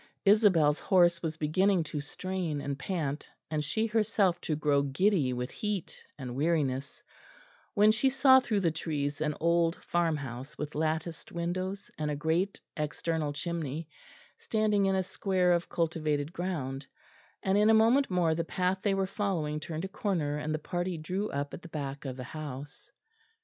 Isabel's horse was beginning to strain and pant, and she herself to grow giddy with heat and weariness, when she saw through the trees an old farmhouse with latticed windows and a great external chimney, standing in a square of cultivated ground; and in a moment more the path they were following turned a corner, and the party drew up at the back of the house.